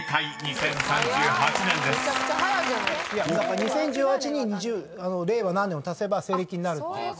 ２０１８に２０令和何年を足せば西暦になる。